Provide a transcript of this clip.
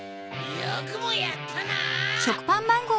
よくもやったな！